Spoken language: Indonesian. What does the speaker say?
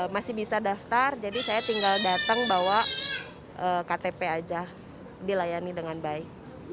masih bisa daftar jadi saya tinggal datang bawa ktp aja dilayani dengan baik